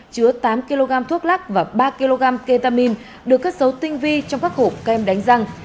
chứa tám kg thuốc lắc và ba kg ketamin được cất dấu tinh vi trong các hộp kem đánh răng